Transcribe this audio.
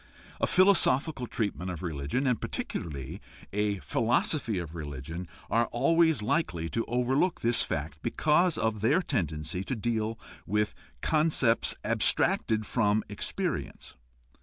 A philosophical treatment of religion, and particularly a philosophy of religion, are always likely to overlook this fact because of their tendency to deal with concepts abstracted from experience.